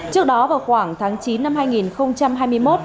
trước đó vào khoảng tháng chín năm hai nghìn hai mươi một